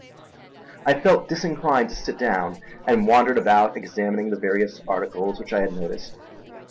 I felt disinclined to sit down, and wandered about examining the various articles which I had noticed.